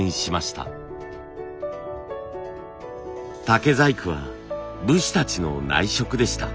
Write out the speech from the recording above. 竹細工は武士たちの内職でした。